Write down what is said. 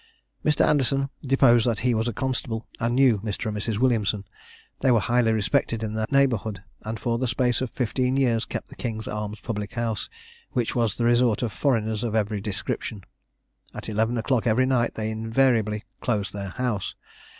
Mr. Anderson deposed that he was a constable, and knew Mr. and Mrs. Williamson; they were highly respected in the neighbourhood, and for the space of fifteen years kept the King's Arms public house, which was the resort of foreigners of every description. At eleven o'clock every night they invariably closed their house.